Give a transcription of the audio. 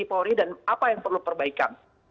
polri dan apa yang perlu perbaikan